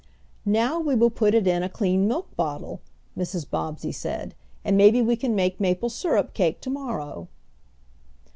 "Now we will put it in a clean milk bottle," Mrs. Bobbsey said, "and maybe we can make maple syrup cake to morrow."